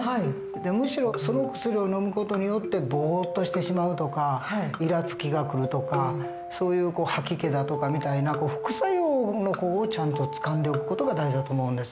でむしろその薬をのむ事によってぼっとしてしまうとかいらつきがくるとかそういう吐き気だとかみたいな副作用の方をちゃんとつかんでおく事が大事だと思うんです。